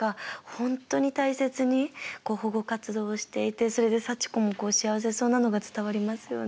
本当に大切に保護活動をしていてそれで幸子もこう幸せそうなのが伝わりますよね。